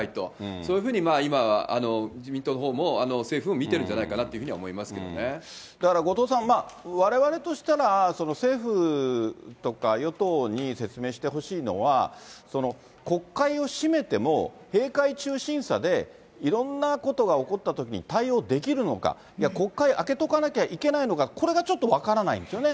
そういうふうに今、自民党のほうも政府を見てるんじゃないかなというふうに思いますだから後藤さん、われわれとしたら、政府とか与党に説明してほしいのは国会を閉めても、閉会中審査でいろんなことが起こったときに対応できるのか、いや、国会開けとかなきゃいけないのか、これがちょっと分からないんですよね。